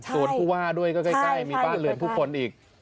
ส่วนผู้ว่าด้วยก็ใกล้มีบ้านเรือนผู้คนอีก